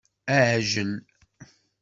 Aɛjel